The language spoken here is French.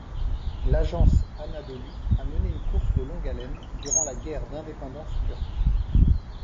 L'agence Anadolu a mené une course de longue haleine durant la Guerre d'indépendance turque.